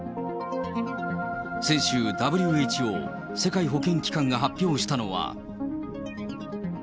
先週、ＷＨＯ・世界保健機関が発表したのは。